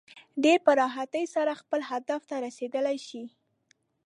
ډېر په راحتۍ سره خپل هدف ته رسېدلی شي.